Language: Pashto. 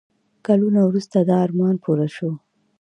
کلونه وروسته دا ارمان پوره شو.